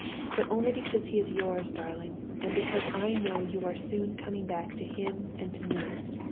But only because he is yours, darling, and because I know you are soon coming back to him and to me.